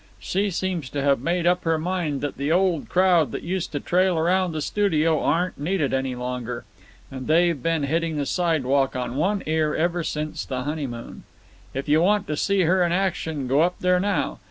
She seems to have made up her mind that the old crowd that used to trail around the studio aren't needed any longer, and they've been hitting the sidewalk on one ear ever since the honeymoon. "If you want to see her in action, go up there now.